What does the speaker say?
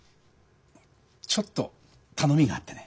ちょっと頼みがあってね。